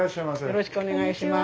よろしくお願いします。